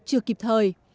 chưa kịp thời